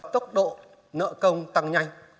tốc độ nợ công tăng nhanh